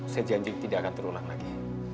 saya janji tidak akan terulang lagi